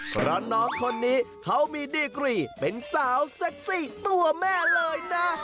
เพราะน้องคนนี้เขามีดีกรีเป็นสาวเซ็กซี่ตัวแม่เลยนะ